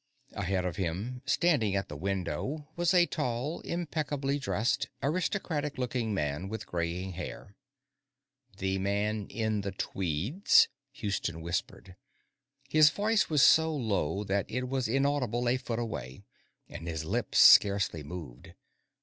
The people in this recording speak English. Ahead of him, standing at the window, was a tall, impeccably dressed, aristocratic looking man with graying hair. "The man in the tweeds?" Houston whispered. His voice was so low that it was inaudible a foot away, and his lips scarcely moved.